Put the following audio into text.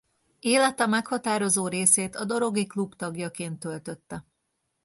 Élete meghatározó részét a dorogi klub tagjaként töltötte.